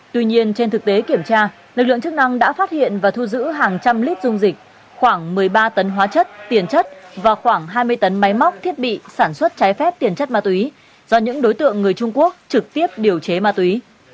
tuy nhiên trên thực tế kiểm tra lực lượng chức năng đã phát hiện và thu giữ hàng trăm lít dung dịch khoảng một mươi ba tấn hóa chất tiền chất và khoảng hai mươi tấn máy móc thiết bị sản xuất trái phép tiền chất ma túy do những đối tượng người trung quốc trực tiếp điều chế ma túy